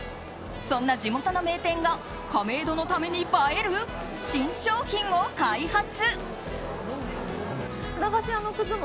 そんな地元の名店が亀戸のために映える新商品を開発。